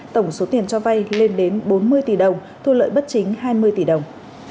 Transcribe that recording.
tổng số tiền cho vay lên đến bốn mươi tỷ đồng thu lợi bất chính hai mươi tỷ đồng